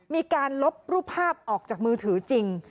มีการลบรูปภาพออกจากมือถือจริง